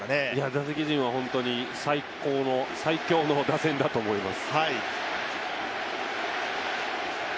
打席陣は本当に最高の最強の打線だと思います。